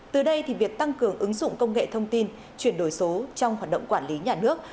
từ đây việc tăng cường ứng dụng công nghệ thông tin chuyển đổi số trong hoạt động quản lý nhà nước